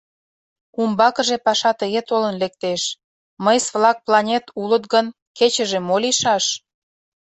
Умбакыже паша тыге толын лектеш: мыйс-влак планет улыт гын, кечыже мо лийшаш?